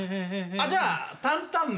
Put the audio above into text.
じゃあ担々麺。